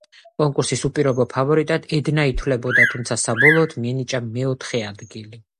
კონკურსის უპირობო ფავორიტად ედნა ითვლებოდა, თუმცა, საბოლოოდ, მიენიჭა მეოთხე ადგილი.